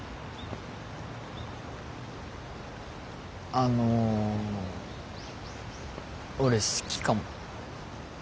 あの俺好きかも。